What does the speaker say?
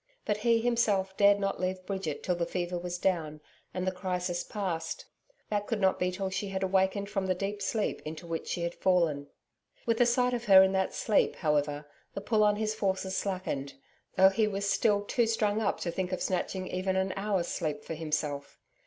But he himself dared not leave Bridget till the fever was down, and the crisis past. That could not be till she had awakened from the deep sleep into which she had fallen. With the sight of her in that sleep, however, the pull on his forces slackened, though he was still too strung up to think of snatching even an hour's sleep for himself.